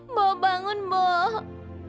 mbok bangun mbok